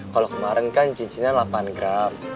kalau kemarin kan cincinnya delapan gram